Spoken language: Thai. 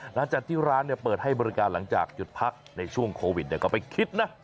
หลังจากที่ร้านเปิดให้บริการหลังจากหยุดพักในช่วงโควิดก็ไปคิดนะ